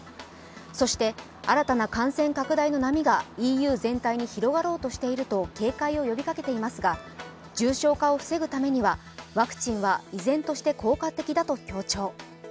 そして新たな感染拡大の波が広げようとしていると警戒を呼びかけていますが、重症化を防ぐためには、ワクチンは依然として効果的だと強調。